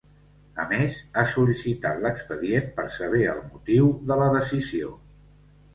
A més, ha sol·licitat l’expedient per saber el motiu de la decisió.